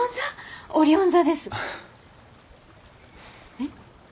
えっ？